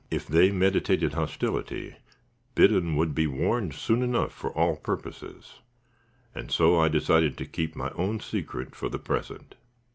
If they meditated hostility, Biddon would be warned soon enough for all purposes and so I decided to keep my own secret for the present.